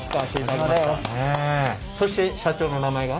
そして社長の名前が？